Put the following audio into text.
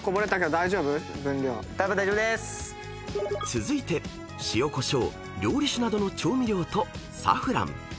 ［続いて塩コショウ料理酒などの調味料とサフラン］